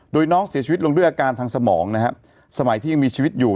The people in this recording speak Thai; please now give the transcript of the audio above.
โดยน้องเสียชีวิตลงด้วยอาการทางสมองนะครับสมัยที่ยังมีชีวิตอยู่